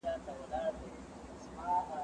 ځان بېغمه کړه د رېګ له زحمتونو